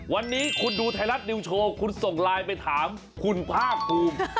วันนี้คุณดูไทยรัฐนิวโชว์คุณส่งไลน์ไปถามคุณภาคภูมิ